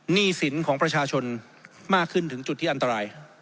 หนี้สินของประชาชนมากขึ้นถึงจุดที่อันตราย